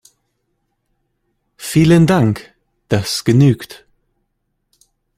Vielen Dank, das genügt.